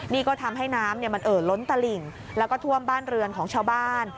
นี่ก็ทำให้น้ำมันเอ่อล้นตลิ่งแล้วก็ท่วมบ้านเรือนของชาวบ้าน